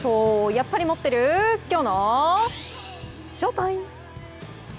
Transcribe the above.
やっぱり持っているきょうのＳＨＯＴＩＭＥ！